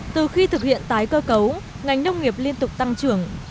thực hiện tái cơ cấu ngành nông nghiệp liên tục tăng trưởng